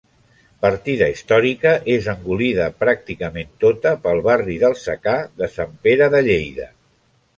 Partida històrica, és engolida pràcticament tota pel barri d'El Secà de Sant Pere, de Lleida.